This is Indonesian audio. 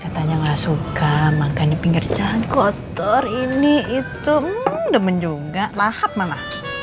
katanya nggak suka makan di pinggir jahat kotor ini itu demen juga lahap mana